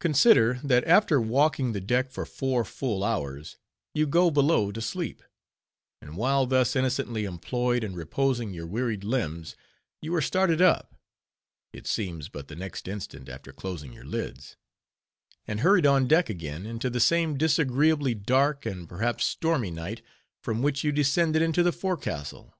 Consider that after walking the deck for four full hours, you go below to sleep: and while thus innocently employed in reposing your wearied limbs, you are started up—it seems but the next instant after closing your lids—and hurried on deck again, into the same disagreeably dark and, perhaps, stormy night, from which you descended into the forecastle.